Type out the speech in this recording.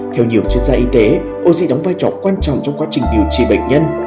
theo nhiều chuyên gia y tế oxy đóng vai trò quan trọng trong quá trình điều trị bệnh nhân